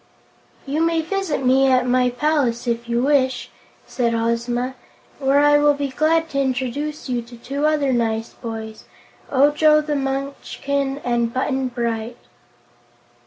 "You may visit me at my palace, if you wish," said Ozma, "where I will be glad to introduce you to two other nice boys, Ojo the Munchkin and Button Bright."